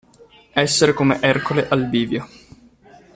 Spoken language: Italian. Essere come Ercole al bivio.